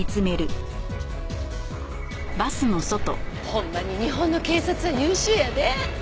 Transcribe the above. ほんまに日本の警察は優秀やで。